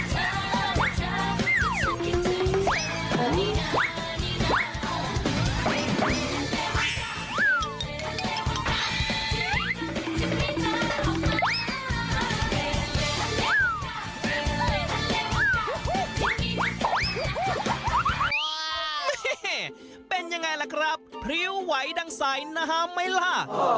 นี่เป็นยังไงล่ะครับพริ้วไหวดังใสน้ำไหมล่ะ